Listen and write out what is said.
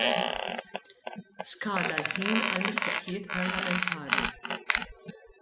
Skada l-ħin għall-mistoqsijiet parlamentari.